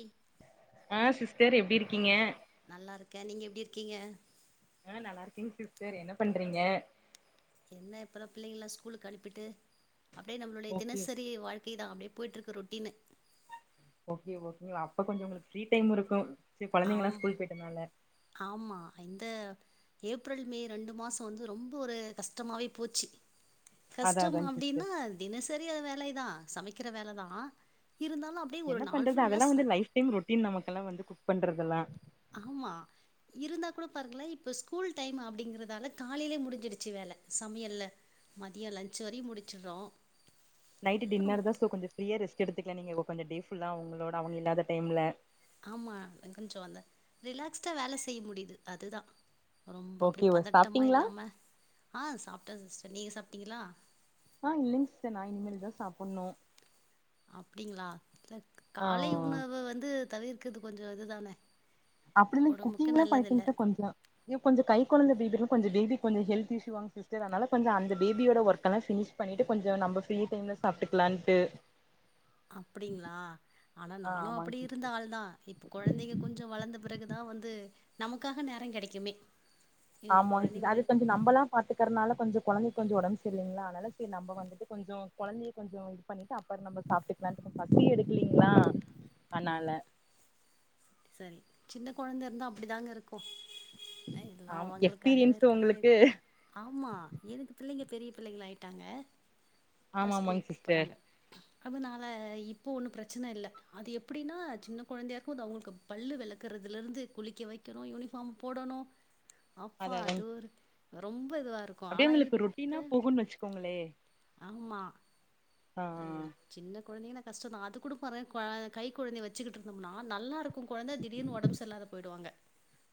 இ ஆ சிஸ்டர் எப்டி இருக்கீங்க நல்லா இருக்கே நீங்க எப்டி இருக்கீங்க ஆ நல்லா இருக்கேங் சிஸ்டர் என்ன பண்றீங்க என்ன இப்பலா பிள்ளைங்கள ஸ்கூலுக்கு அனுப்பிட்டு அப்டே நம்மளுடைய ஓகே தினசரி வாழ் கிதா அப்டியே போய்டுருக்கு ரொட்டின்னு ஓகே ஓகேங்களா அப்ப கொஞ்சோ உங்குளுக்கு ஃப்ரீ டைம் இருக்கு சு கொழந்தைங்கல்லா ஸ்கூல் போயிட்டனால ஆமா இந்த ஏப்ரல் மே ரெண்டு மாசொ வந்து ரொம்ப ஒரு கஷ்டமாவே போச்சு அதா கஷ்டம் அதாங்க சிஸ்டர் அப்டின்னா தினசரி அ வேலை தா சமைக்கிற வேலதா இருந்தாலு அப் டி ஒரு நாள் ஃபுல்லா சா டிம் ரொட்டின் நமக்கெல்லா வந்து குக் பண்றதெல்லா ஆமா இருந்தா கூட பாருங்களே இப்ப ஸ்கூல் டைம் அப்டிங்கறதால காலையிலயே முடிஞ்சிடுச்சு வேல சமையல்ல மதிய லன்ச் வரையு முடிச்சுறோ நைட்டு டின்னர் தா சோ கொஞ்சோ ஃப்ரீய ரெஸ்ட் எடுத்துக்களா நீங்க கொஞ்சோ டேஃபுல்ல அவுங்களோடா அவுங்க இல்லாத டைம்ல ஆமா வெங்கஞ்சு வந்த ரிலாக்ஸ்ட்டா வேல செய்ய முடிது அதுதா ரொம்ப அப்டே ஓகே பதட்டமா சாப்ட்டீங்களா இல்லாம ஆ சாப்ட்ட சிஸ்டர் நீங்க சாப்ட்டீங்களா ஆ இல்லைங்க சி்ஸ்டர் நா இனிமேல்தா சாப்பட்னு அப்டிங்களா இல்ல காலை ஆ உணவ வந்து தவிர்க்கது கொஞ்சோ இதுதான அப்டில்ல குக்கில்லா பண்டேங்ஸ் சிஸ்டர் கொஞ்சோ இப் கொஞ்சோ கை குழந்த பேபி எல்லா கொஞ்சோ பேபி கொஞ்சோ ஹெல்த் இஷு வா சிஸ்டர் அதனால கொஞ்சோ அந்த பேபியோட ஒர்க எல்லா ஃபினிஷ் பண்ணிட்டு கொஞ்சோ நம்ப ஃப்ரீ டைம்ல்ல சாப்ட்டுக்குலான்ட்டு அப்படிங்களா ஆனா ஆ நானு ஆமாங்க அப்படி இருந்த சிஸ்டர் ஆள் தா இப்ப கொழந்தைங்க கொஞ்சோ வளந்த பிறகுதா வந்து நமக்காக நேரோ கடைக்குமே ஆமாங் சிஸ் அதுக் கொஞ் நம்பல்லா பாத்துக்கறனால கொஞ்சோ கொழந்தைக் கொஞ்சோ ஒடம்பு சரி இல்லைங்களா அதனால சேரி நம்ம வந்துட்டு கொஞ்சோ கொழந்தைய கொஞ்சோ இது பண்ணிட்டு அப்பறோ நம்ப சாப்ட்டுக்கலானு பசியே எடுக்குலீங்களா அதனால சரி சின்ன கொழந்த இருந்த அப்படி தாங்க இருக் கு எல்லா ஆம் அவுங்களுக்காகவே எக்ஸ்பீரியன்ஸ் இருக்க மாரி உங்களுக்கு இருக்கு ஆமா எனக்கு பிள்ளைங்க பெரிய பிள்ளைங்களாயிட்டாங்க இப்தா ஆமா ஆமாங்க ஸ்கூலுக்கு போ சிஸ்டர் போறாங்க அதனால இப்போ ஒன்னு பிரச்சன இல்ல அது எப்புடின்னா சின்ன கொழந்தையா இருக்கு அது அவுங்களுக்கு பல்லு வெளக்குறதுல இருந்து குளிக்க வைக்கறோ யூனிஃபார்ம் போடணு அத அப்பா அது அதாங்க ஒரு ரொம்ப இதுவா இருக்கு அப்டியே ஆனா உங்களுக்கு ரொட்டீனா இப்ப போகுன்னு வச்சுக்கோங்களே ஆமா ஆ அ ஆ சின்ன கொழந்தைங்கன்னா கஷ்டோ தா அது கூட பார் க கை கொழந்தய வச்சுக்கிட்டு இருந்தோம்னா நல்லா இருக் கு கொழந்த திடீர்னு ஒடம்பு சரியில்லாத போயிடுவாங்க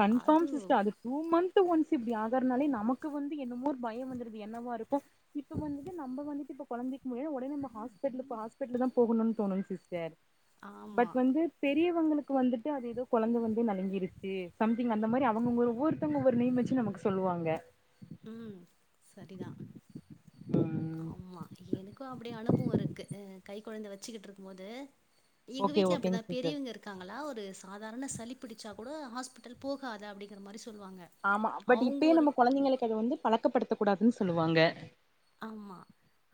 கன்ஃபார்ம் அது சிஸ்டர் அதுக் டூ மந்து ஒன்ஸ் இப்டி ஆகறனாலே நமக்கு வந்து என்னமோரு பயோ வந்துருது என்னவா இருக்கு இப்ப வந்துட்டு நம்ப வந்துட்டு இப்ப கொழந்தை மே ஒடனே நம்ம ஹாஸ்பிட்லுக்கு ஹாஸ்பிட்லு தா போகணுன்னு தோணு சிஸ்டர் பட் ஆமா. வந்து பெரியவங்குளுக்கு வந்துட்டு அது ஏதோ குழந்த வந்து நலுங்கிருக்கு சம்திங் அந்த மாரி அவுங்க ஒவ்வொருத்தவுங்க ஒவ்வொரு நேம் வச்சு நமக்கு சொல்லுவாங்க ம் சரிதா ம் ஆமா எனக் கு அப்டி அனுபவோ இருக்கு அ கை குழந்த வச்சுக்கிட்டு இருக்கும் போது எங்க ஓகே வீட்ல அப்படிதா ஓகேங்க சிஸ்டர் பெரியவுங்க இருக் இருக்காங்களா ஒரு சாதாரண சளி பிடிச்சா கூட ஹாஸ்பிட்டல் போகாத அப்புடிங்கிற மாரி சொல்லுவாங்க ஆமா பட் அவங்க இப்பயே ஒரு நம்ப குழந்தைங்களுக்குை அது வந்து பழக்கப்படுத்த கூடாதுன்னு சொல்லுவாங்க ஆமா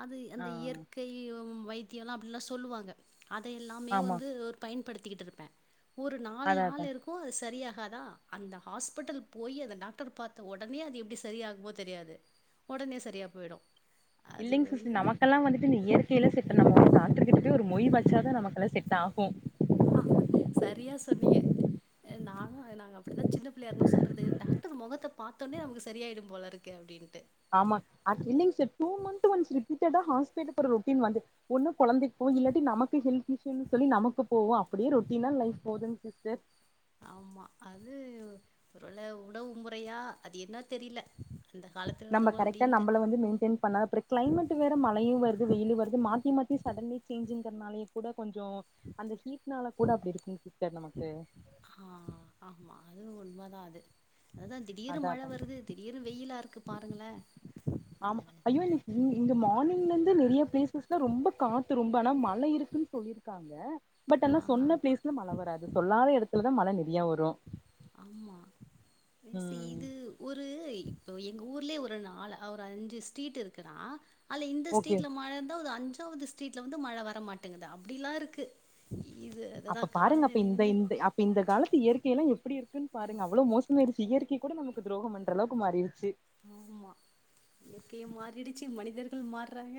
அது ஆ அந்த இயற்கை ம் வைத்தியோலா அப்படின்லா சொல்லுவாங்க அத எல்லாமே ஆமா வந்து ஒரு பயன்படுத்திக்கிட்டு இருப்பேன் ஒரு நாலு அதா நாள் அதா இருக் கு சரியாகாதான் அந்த ஹாஸ்பிட்டல் போயி அந்த டாக்டர் பாத்த ஒடனே அது எப்டி சரியாகுமோ தெரியாது உடனே சரியா போயிடு இல்லைங்க சிஸ்டர் நமக்கெல்லா வந்துட்டு இந்த இயற்கையிலா செட் நம்ம அந்த டாக்டர் கிட்ட போய் ஒரு மொய் வச்சாதா நமக்கெல்லா செட் ஆகு ஆஹ் சரியா சொன்னீங்க அ நானு நாங்க அப்படிதா சின்ன பிள்ளயா இருக்கும் போது சொல்றது டாக்டர் முகத்த பாத்தோடனே நமக்கு சரிய ஆகிடும் போல இருக்கு கே அப்டின்ட்டு ஆமா அ இல்லைங்க சர் டூ மந்த் ஒன்ஸ் ரிபிட்டடா ஹாஸ்பிட்டல் போற ரொட்டி வந்து ஒன்னு கொழந்தை போன் இல்லாட்டி நமக்கு ஹெல்த் இஸ்யூனு சொல்லி நமக்கு போவோ அப்படியே ரொட்டீனா லைஃப் போதுங் சிஸ்டர் ஆமா அது ஒருவேல உணவு முறையா அது என்ன தெரில அந்த ஹாலத் நம்ப கரக்டா நம்பள வந்து மெய்ன்டன் பண்ணா அப்றோ கிளைமேட் வேற மழையு வருது வெயிலு வருது மாத்தி மாத்தி சடன்லி சேஞ்சுங்கிறனாலயே கூட கொஞ்சோ அந்த ஹீட்னால கூட அப்டி இருக்குங் சிஸ்டர் நமக்கு ஆ ஆமா அதுவு உண்மதா அது அதா திடீர்னு அதா மழ அதா வருது திடீர்னு வெயிலா இருக்கு பாருங்கள ஆமா ஐயோ நீ இங் இங்க மார்னிங்ல இருந்து நெறைய பிளேசஸ்லா ரொம்ப காத்து ரொம்ப ஆனா மழை இருக்குன் சொல்லிருக்காங்க பட் ஆனா ஆ சொன்ன பிளேஸ்ல மழ வராது சொல்லாத எடத்துலதா மழ நெறையா வரு ஆமா ப்ளேஸ் ம் இது ஒரு இப்போ எங்க ஊர்லயே ஒரு நாள் அ ஒரு அஞ்சு ஸ்ட்ரீட் இருக்குன்னா அல்ல இந்த ஓகே ஸ்ட்ரீட்ல மழ இருந்தா ஒரு அஞ்சாவது ஸ்ட்ரீட்ல வந்து மழ வரமாட்டங்குது அப்டிலா இருக்கு இது அததா காலநிலை வந்து ப்ப இந்த காலத்து இயற்கையெல்லா எப்டி இருக்குன்னு பாருங்க அவ்ளோ மோச மாயிருச்சு இயற்கை கூட நமக்கு துரோகம் பண்ற அளவுக்கு மாறிருச்சு ஆமா இயற்கையு மாறிடுச்சு மனிதர்கள் மாறாங்க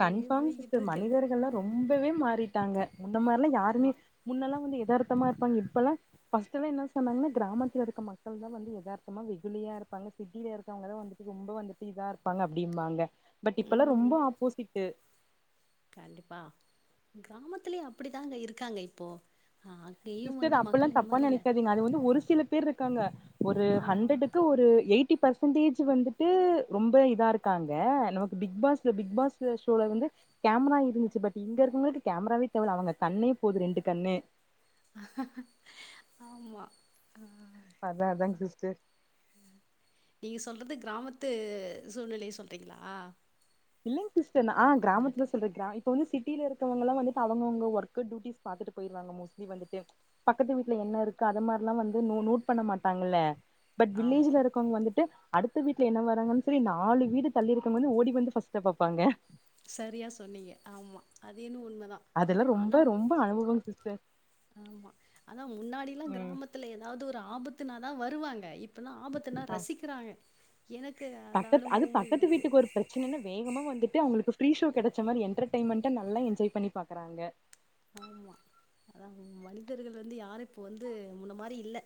கன்ஃபார்ம் சிஸ்டர் மனிதர்கள்ல்லா ரொம்பவே மாறிட்டாங்க முந்த மாரில்லா யாருமே ஆமா முன்னெல்லா வந்து எதார்தமா இருப்பாங்க இப்பெலா பஸ்ட்டெல்லா என்ன சொன்னாங்கனா கிராமத்துல இருக்க மக்கள்தா வந்து யதார்த்தமா வெகுலியா இருப்பாங்க சிட்டில இருக்கறவங்கதா வந்துட்டு ரொம்ப வந்துட்டு இதா இருப்பாங்க அப்டிம்பாங்க பட் இப்பெல்லா ம் ரொம்போ ஆப்போசிட்டு் கண்டிப்பா கிராமத்துலே அப்டி தாங்க இருக்காங்க இப்போ பா சிஸ்டர் அப்புல்லா தப்பா நெனைக்காதீங்க அது வந்து ஒரு சில பேர் இருக்காங்க ஒரு ஆ ஹண்ட்ரடுக்கு ஒரு எயிட் டி பெர்சன்டேஜ் வந்துட்டு ரொம்ப இதா இருக்காங்க நமக்கு பிக் பாஸ்ல பிக் பாஸ்ஸ ஷோல வந்து கேமரா இருந்துச்சு பட் இங்க இருக்கவங்களுக்கு கேமராவே தேவல அவங்க கண்ணே போது ரெண்டு கண்ணு ஆமா அ அதா அதாங் சிஸ்டர் நீங்க சொல்றது கிராமத்து சூழ்நிலைய சொல்றீங்ளா இல்லைங் சி்ஸ்டர் ந ஆ கிராமத்துல சொல்ற கிரா இப்போ வந்து சிட்டியில இருக்கவங்கலா வந்துட்டு அவங்கவங்க ஒர்க் டூட்டிஸ் பாத்துட்டு போய்ருவாங்க மோஸ்லி வந்துட்டு பக்கத்து வீட்டுல என்ன இருக்கு அத மார்ல்லா வந்து னு நூட் பண்ண மாட்டாங்கல்ல பட் ஆமா வில்லேஜ்ல இருக்கவங்க வந்துட்டு அடுத்த வீட்டுல என்ன வராறங்கன்னு சொல்லி நாலு வீடு தள்ளிருக்கங்க வந்து ஓடி வந்து ஃபஸ் டா பாப்பாங்க சரியா சொன்னீங்க ஆமா அது இன்னு உண்மதா அதெல்லா ஆனா ரொம்ப ரொம்ப அனுபவம் சிஸ்டர் ஆமா அதா முன்னாடில்லா ம் கிராமத் த்துல எதாவது ஒரு ஆபத்துனாதா வருவாங்க இப்பன்னா ஆபத்துனா ஆ ரசிக்கிறாங்க எனக்கு அந்த அனுபவமு இருக்கு பிரச்சனன்னா வேகமா வந்துட்டு அவங்களுக்கு ஃப்ரீ ஷோ கெடச்ச மாரி என்டர்டெய்மெண்டா நல்லா எஞ்ஜாய் பண்ணி பாக்குறாங்க ஆமா அதா மனிதர்கள் வந்து யாரு இப்போ வந்து முன்ன மாரி இல்ல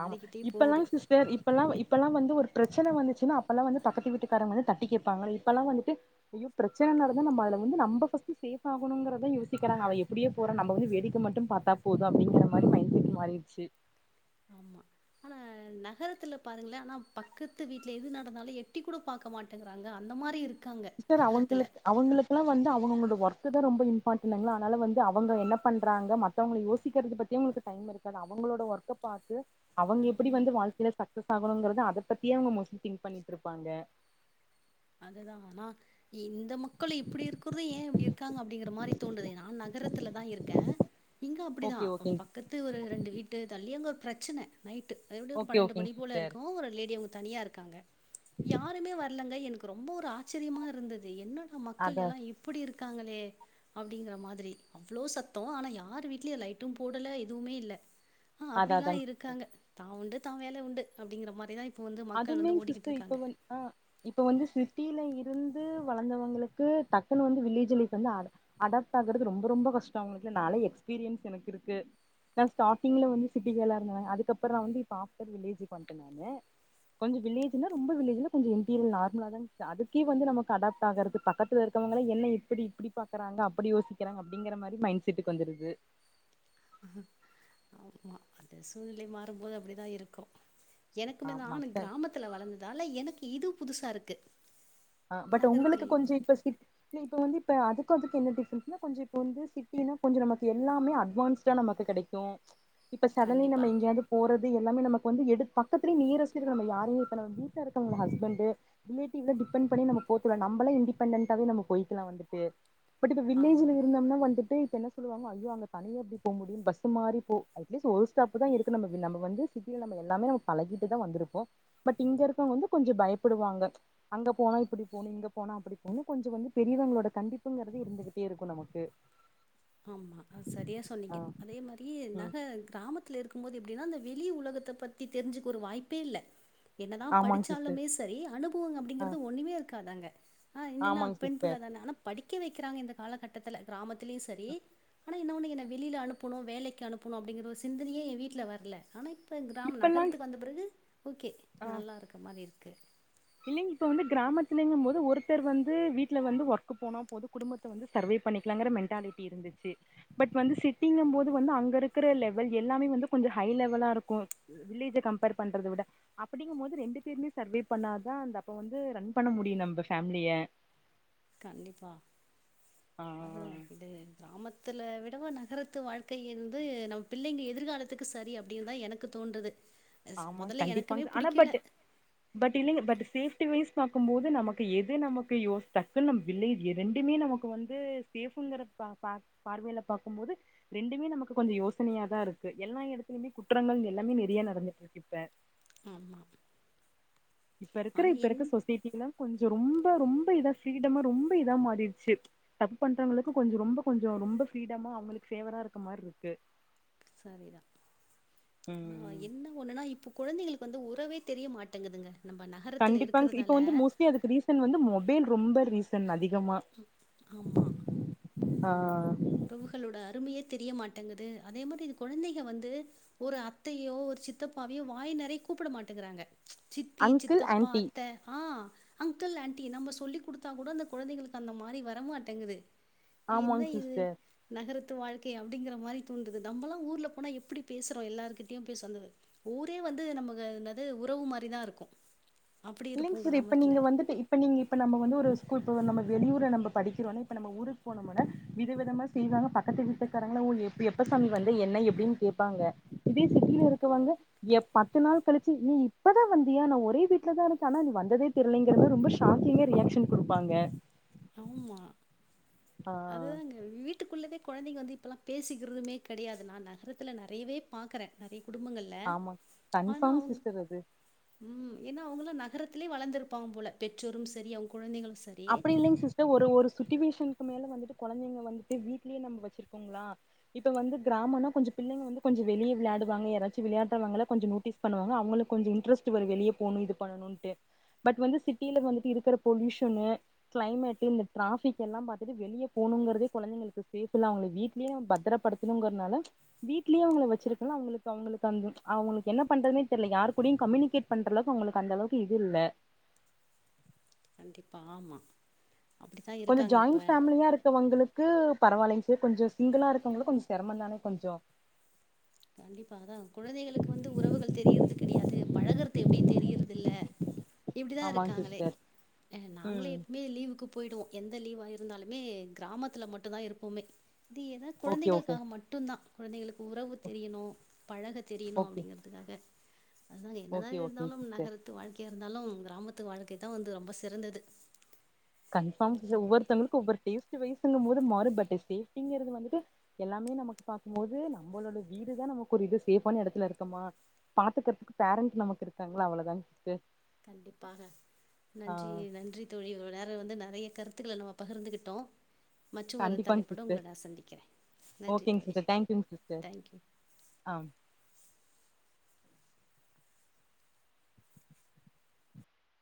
ஆமா இப்பெல்லா போகுது. சிஸ் டர் இப்பெல்லா இப்பலா வந்து ஒரு பிரச்சன வந்துச்சுன்னா அப்பெல்லா வந்து பக்கத்து வீட்டுக்காரங்க வந்து தட்டி கேப்பாங்க இப்பெல்லா வந்துட்டு ஐயோ பிரச்சன நடந்தா நம்ம அதுல வந்து நம்ப ஃபஸ்ட் சேஃப் ஆகணுங்குறதா யோசிக்கிறாங்க அவ எப்டியே போறோ நம்ப வந்து வேடிக்க மட்டு பாத்தா போது அப்டிங்கிற மாரி மைன்செட் மாறிச்சு ஆமா அ நகரத்துல பாருங்கள ஆனா பக்கத்து வீட்ல எது நடந்தாலு எட்டி கூட பாக்க மாட்டேங்கிறாங்க அந்த மாரி இருக் சிஸ்டர் அவங்களுக்கு அவங்களுக்கெல்லா வந்து அவங்கவ்ங்களோட ஒர்க்குதா ரொம்ப இம்பார்ட்டன்ங்களா அதனால வந்து அவங்க என்ன பண்றாங்க மத்தவங்கள யோசிக்கிறது பத் தி இவங்களுக் டைம் இருக்காது அவங்களோட ஒர்க்கப் பாத்து அவங்க எப்டி வந்து வாழ்க்கைல சக்சஸ் ஆகணுங்கறது அத பத்தியே அவங்க மோஸ்ட்லி திங்க் பண்ணிட்டுருப்பாங்க அதுதா ஆனா இந்த மக்களு இப்பிடி இருக்குறுது ஏ இப்டி இருக்காங்க அப்டிங்கிற மாரி தோண்டுது நா நகரத்துலதா இருக்கே. இங்க அப்டிதா ஓகே அ ஓகேங் பக்கத்து ஒரு ரெண்டு வீட்டு தள்ளி அங்க ஒரு பிரச்சன நைட்டு அதெப்டியு ஒரு ஓகே பன்னெண்டு மணி ஓகேங் போல சிஸ்டர் இருக்கு ஒரு லேடி அவுங்க தனியா இருக்காங்க யாருமே வர்லங்க எனு ரொம்போ ஒரு ஆச்சிரியமா இருந்தது என்னடா அத மக்கள் எல்லா இப்பிடி இருக்காங்களே அப்டிங்கிற மாதிரி. அவ்ளோ சத்தோ ஆனா யார் வீட்லியு லைட்டு போடல எதுவுமே இல்ல. அ அத அப்டிலா அதாங் இருக்காங்க தா உண்டு தா வேல உண்டு அப்டிங்கிற மாரிதா இப்போ வந்து மக்கள் அதுமே வந்து சிஸ்டர் இப்ப ஓடிக்கிட்ருக்காங்க. வந் ஆ இப்ப வந்து சிட்டில இருந்து வளந்தவங்களுக்கு டக்குனு வந்து வில்லேஜ் லைஃப் வந்து அட அடாப்ட் ஆகறது ரொம்போ ரொம்போ கஷ்டோ அவுங்களுக்குலா நாலா எக்ஸ்பீரியன்ஸ் எனக்கு இருக்கு. நா ஸ்டாடிங்ல வந்து சிட்டி கேளா இருந்தனே. அதுக்கப்புறோ வந்து இப்ப ஆஃப்டர் வில்லேஜுக் வந்ட்டே நானு. கொஞ்சோ வில்லேஜ்னா ரொம்போ வில்லஜ் இல்ல கொஞ்சோ இன்டீரியல் நார்மலாதாங் [inaudible] அதுக்கே வந்து நமக்கு அடாப்ட் ஆகறதுக் பக்கத்துல இருக்கவங்களா என்ன இப்பிடி இப்பிடி பாக்கறாங்க அப்பிடி யோசிக்கிறாங்க அப்டிங்கிற மாரி மைண்ட் செட்டுக்கு வந்துருது. ஆமா அது சூழ்நிலை மாறும்போது அப்டிதா இருக்கு. எனக்குமே தா ஆமா ஆனா கிராமத்ல வளந்ததால எனக்கு இது புதுசா இருக்கு. ஆ பட் உங்குளுக்கு நகரத்திலை கொஞ்ச இப்ப சிட் ட்லி இப்ப வந்து இப்ப அதுக்கு அதுக்கு என்ன டிஃப்ரென்ஸ்னா கொஞ்சொ இப்ப வந்து சிட்டினா கொஞ்சோ நமக்கு எல்லாமே அட்வான்ஸ் டா நமக்கு கெடைக்கு. இப்ப சடன்லி நம்ம கண்டிப்பா எங்யாது போறது எல்லாமே நமக்கு வந்து எடு பக்கத்துலியே நியரஸ்ட்டுக்கு நம்ம யாரயு இப்ப ந வீட்ல இருக்கவங்கள ஹஸ்பண்டு ரிலேட்டிவ்ல டிபெண் பண்ணி நம்ம போக்கூடா நம்பளே இன்டிபெண்டன்டாவே நம்ம போய்க்கலா வந்துட்டு. பட் இந்த ஆ வில்லேஜ்ல இருந்தம்னா வந்துட்டு இப்ப என்ன ஸ் சொல்லுவாங்க ஐயோ அங்க தனியா எப்டி போ முடியும் பஸ் மாறி போ அட்லீஸ்ட் ஒரு ஸ்டாப் தா இருக்கு நம்மவ் நம்ம வந்து சிட்டில நம்ம எல்லாமே நம்ம பழகிட்டுதா வந்திருப்போ. பட் இங்க இருக்கவங்க வந்து கொஞ்சொ பயப்படுவாங்க. அங்க போனா இப்பிடி போணு இங்க போனா அப்பிடி போணு கொஞ்சோ வந்து பெரியவங்களோட கண்டிப்புங்கறது இருந்துக்கிட்டே இருக்கு நமக்கு. ஆமா அ சரியா ஆ சொன்னீங்க அதே மாரியே ம் நக கிராம த்ல இருக்கும்போது எப்டினா அந்த வெளி உலகத்த பத்தி தெரிஞ்சுக்க ஒரு வாய்ப்பே இல்ல. என்னதா ஆமாங்க சிஸ்டர் படிச்சாலுமே சரி அனுபவோ ஆ அப்டிங்கறது ஒண்ணுமே இருக்காது அங்க. அ இன் என்னா ஆமாங்க சிஸ்டர் பெண்பிள்ளதான ஆனா படிக்க வெக்கிறாங்க இந்த காலகட்டத்துல கிராமத்திலியு செரி ஆனா என்ன ஒன்னு என்ன வெளில அனுப்புணு வேலைக்கு அனுப்புணு அப்டிங்கற ஒரு சிந்தனையே எ வீட்ல வர்ல ஆனா இப்ப கிராம் இப்பெல்லா நகரத்துக்கு வந்த பிறகு ஓகே நல்லா இருக்க மாரி இருக்கு. இல்லிங் இப்ப வந்து கிராமத்லிங்கும் போது ஒருத்தர் வந்து வீட்ல வந்து ஒர்க்கு போனா போது குடும்பத் த வந்து சர்வைவ் பண்ணிக்கலாங்கற மென்ட்டாலிட்டி இருந்துச்சு. பட் வந்து சிட்டிங்கம் போது வந்து அங்க இருக்குற லெவல் எல்லாமே வந்து கொஞ்சொ ஹை லெவலா இருக்கு. வ் வில்லேஜ கம்பேர் பண்றத விட அப்டிங்கும்போது ரெண்டு பேருமே சர்வைவ் பண்ணா தா அந்த அப்ப வந்து ரன் பண்ண முடியு நம்ப ஃபேமிலிய. கண்டிப்பா ஆ அதுதா இது கிராமத்துல விடவா நகரத்து வாழ்க்கை வந்து நம்ம பிள்ளைங்க எதிர்காலத்துக்கு சரி அப்டின்தா எனக்கு தோண்றுது. அஸ் ஆமா மொதல்ல எனக்குமே கண்டிப்பாங்க ஆனா பட் புடிக்கல. பட் இல்லிங்க பட் சேஃப்டி வைஸ் பாக்கும் போது நமக்கு எது நமக்கு யோஸ் டக்குன் நம் வில்லே எ ரெண்டுமே நம க்கு வந்து சேஃப்ங்கற பா பாக் பார்வைல பாக்கும்போது ரெண்டுமே நமக்கு கொஞ்சொ யோசனையாதாருக்கு எல்லா எடத்துலிமே குற்றங்கள் எல்லாமே நெறியா நடந்துட்டுருக்கு இப்ப. ஆம்மா. இப்ப இருக்கற இப்ப இருக்க சொசைட்டி எல்லா கொஞ்சொ ரொம்ப ரொம்ப இதா ஃப்ரீடமா ரொம்ப இதா மாறிர்ச்சு. தப்பு பண்றவங்களுக்கு கொஞ்சொ ரொம்ப கொஞ்சொ ரொம்ப ஃப்ரீடமா அவங்களுக்கு ஃபேவரா இருக்க மார்ருக்கு சரிதா ஆனா என்ன ஒண்ணுன்னா இப்ப குழந்தைகளுக்கு வந்து உறவே தெரிய மாட்டேங்குதுங்க நம்ப ந கண்டிப்பாங் இப்ப வந்து மோஸ்ட்லி அதுக்கு ரீசன் வந்து மொபைல் ரொம்ப ரீசன் அதிகமா ஆமா ஆ அது உறவுகளோட அருமையே தெரிய மாட்டேங்குது அதே மாதிரி இது குழந்தைங்க வந்து ஒரு அத்தையோ ஒரு சித்தப்பாவையோ வாய் நெறைய கூப்புட மாட்டேங்கிறாங்க சித்தி அங்கிள் சித்தப்பா ஆன்ட்டி அத்தை ஆ அங்கிள் ஆண்டி நம்ம சொல்லி் கொடுத்தா கூட அந்த குழந்தைகளுக்கு அந்த மாதிரி வரமாட்டேங்குது என்ன ஆமாங் சிஸ்டர் இது நகரத்து வாழ்க்கை அப்படிங்கிற மாதிரி தூண்டுது நமலா ஊர்ல போனால் எப்படி பேசுறோ எல்லாருகிட்டயு போய் சொல்லுவே ஊரே வந்து நமக்கு அதென்னாது உறவு மாரிதா இருக்கு இல்லைங் சார் இப்ப நீங்க வந்துட்டு இப்போ நீங்கள் இப்போ நம்ம வந்து ஸ்கூல் போனு வந்து நம்ம வெளியூர்ல நம்ம படிக்கிறோன்னு இப்போ நம்ம ஊருக்கு போனும்னா வித விதமா செய்வாங்க பக்கத்து வீட்டுக்காரங்கள வந்து எப்பசாமி வந்த என்ன எப்படின்னு கேபாங்க இதே சிட்டியில இருக்கவாங்க ஏ பத்து நாள் கழிச்சு நீ இப்பதா வந்தியா நா ஒரே வீட்டுல தா இரு ஆனா அது வந்ததே தெரியலைங்கிறது ரொம்ப ஷாக்கிங்கா ரியாக்க்ஷன் கொடுப்பாங்க ஆமா ஆ அதுதாங்க வீட்டுகுள்ளதே குழந்தைங்க வந்து இப்பல்லா பேசிக்கிறதுமே கிடையாது நா நகரத்துல நிறையவே பாகுறேன் நெறைய குடும்பங்கள் ஆமா கன்ஃபார்ம் சிஸ்டர் அது ம் ஏன்னா அவங்களா நகரத்திலயே வளர்திருப்பாங்க போல பெற்றோரு சரி அவுங்க குழந்தைகளு சரி அப்படி இல்லைங்க சிஸ்டர் ஒரு சுச்சுவேஷனுக்கு மேல வந்துட்டு குழந்தைங்க வந்துட்டு வீட்லயே நம்ம வச்சிருக்கோங்களா இப்ப வந்து கிராமோனா கொஞ்ச பிள்ளங்க வந்து கொஞ்சோ வெளிய விளையாடுவாங்க யாராச்சு விளையாடுறவங்க கொஞ்சோ நோட்டீஸ் பண்ணுவாங்க அவங்களுக்கு கொஞ்சோ இன்டரஸ்ட் வரு வெளியே போணு இது பண்ணணுட்டு பட் வந்து சிட்டியில வந்துட்டு இருக்கற பொலுஷன்னு கிளைமேட் இந்த டாராபிக் எல்லா பார்த்துட்டு வெளிய போணுங்கிறதே குழந்தைகளுக்கு சேப்டி இல்லா அவுங்கள வீட்லயே பத்தரபடுத்தி தூங்குறதுனால வீட்லேயே அவுங்க வச்சிருக்கன்னு அவங்களுக்கு அவங்களுக்கு என்ன பண்றதுனே தெரியல யாரு கூடயு கம்யூனிகேட் பண்ற அளவுக்கு உங்களுக்கு அந்த அளவுக்கு இது இல்ல கண்டிப்பா ஆமா அப்படித்தான் கொஞ்சோ இருக்காங்க ஜாயிண்ட் இப்ப. ஃபேமிலியா இருக்குவங்களுக்கு க்கு பரவாயில்லைங்கே கொஞ்சோ சிங்கிளா இருக்கவங்கலக்கு கொஞ்சோ சிரம தானே கொஞ்சோ கண்டிப்பாதா குழந்தைகளுக்கு வந்து உறவுகள் தெரிகிறது கிடையாது பழகறது எப்டின் தெரியுறது இல்ல இப்படிதா ஆமாங்க இருக்காங்களே சிஸ்டர் நாங்களு ம் எப்பயு லீவுக்கு போயிடுவோ எந்த லீவா இருந்தாலுமே கிராமத்தில மட்டு தா இருப்போமே இது ஏத ஓகே ஓகே குழந்தைகளுக்காக மட்டு மட்டு தா குழந்தைங்களுக்கு உறவு தெரியணு பழக தெரியணு ஓகே அப்படிங்குறதுக்காக அதுதா என்னதா ஓகே ஓகேங்க இருந்தாலு சிஸ்டர் நகரத்து வாழ்க்கையா இருந்தாலு கிராமத்துக்கு வாழ்க்கை தா வந்து ரொம்ப சிறந்தது கன்பார் ஒவ்வொத்தவங்கக்கு ஒவ்வொரு டேஸ் வயசுங்க போது மாறு பட்டுச்சி சேப்டின்னு வந்துட்டு எல்லாமே நமக்கு பாக்குபோது நம்மளோட வீடுதா நமக்கு ஒரு இது சேஃப்பான இடத்துல இருக்கமா பாத்துகுறதுக்கு பேரண்ட்ஸ் நமக்கு இருக்காங்களா அவ்ளோதா சிஸ்டர் கண்டிப்பாக ஆ நன்றி நன்றி தோழி இவ்வளவு நேரோ வந்து நேறைய கருத்துக்களை நம்ம பகிர்ந்துகிட்டோ மட்டும் ஒரு கண்டிப்பாங்க தலைப்போட உங்களை சிஸ்டர் நான் சந்திக்கிறே நன்றி ஓகேங்க தோழி தேங்க்யூ ஆம்